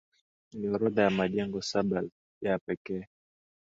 ni orodha ya majengo saba ya pekee